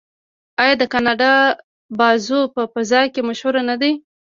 آیا د کاناډا بازو په فضا کې مشهور نه دی؟